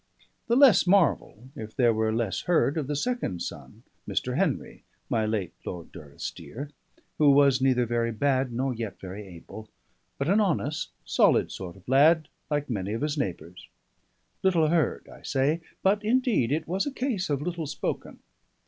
The less marvel if there were little heard of the second son, Mr. Henry (my late Lord Durrisdeer), who was neither very bad nor yet very able, but an honest, solid sort of lad, like many of his neighbours. Little heard, I say; but indeed it was a case of little spoken.